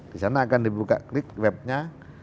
di sana akan dibuka klik webnya